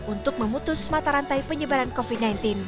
untuk memutus mata rantai penyebaran covid sembilan belas